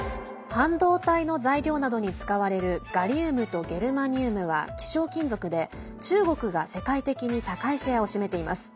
半導体の材料などに使われるガリウムとゲルマニウムは希少金属で中国が世界的に高いシェアを占めています。